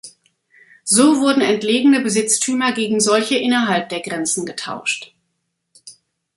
So wurden entlegene Besitztümer gegen solche innerhalb der Grenzen getauscht.